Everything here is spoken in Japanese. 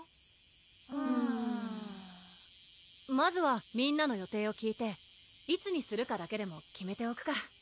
うんまずはみんなの予定を聞いていつにするかだけでも決めておくか